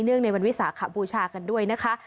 ในวันวิสาขบูชากันด้วยนะคะ